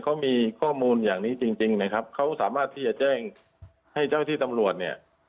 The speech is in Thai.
เขามีข้อมูลอย่างนี้จริงจริงนะครับเขาสามารถที่จะแจ้งให้เจ้าที่ตำรวจเนี่ย